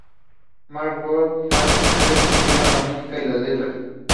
Mack Gordon y Harry Revel escribieron la música y las letras.